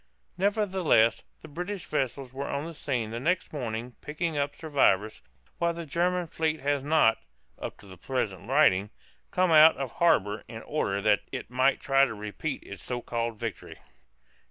Nevertheless, the British vessels were on the scene the next morning picking up survivors, while the German fleet has not (up to the present writing) come out of harbor in order that it might try to repeat its so called victory.